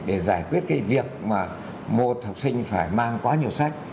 để giải quyết cái việc mà một học sinh phải mang quá nhiều sách